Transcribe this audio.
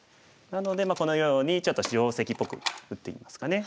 なのでこのようにちょっと定石っぽく打ってみますかね。